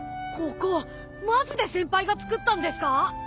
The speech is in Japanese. ここマジで先輩がつくったんですか！？